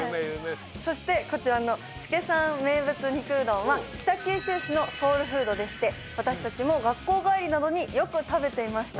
そしてこちらの資さん名物肉うどんは北九州市のソウルフードでして私たちも学校帰りなどによく食べていました。